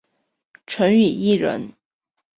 陈与义人。